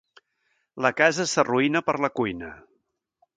La casa s'arruïna per la cuina.